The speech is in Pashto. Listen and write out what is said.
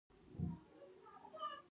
ښوونځي کې دوستان هم زده کړه لوړوي.